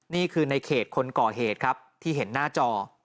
นี่คือในเขตคนก่อเหตุครับที่เห็นหน้าจอ